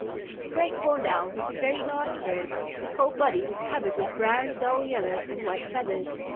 The Great Horned Owl was a very large bird. His whole body was covered with brown, dull yellow, and white feathers.